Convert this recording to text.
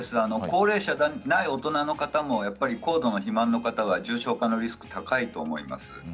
高齢者でない大人の方も高度の肥満の方は重症化のリスクが高いと思います。